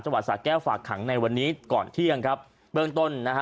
วัดสาแก้วฝากขังในวันนี้ก่อนเที่ยงครับเบื้องต้นนะฮะ